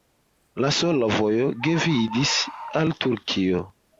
La sola vojo gvidis al Turkio.